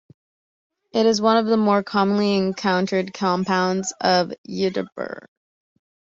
It is one of the more commonly encountered compounds of ytterbium.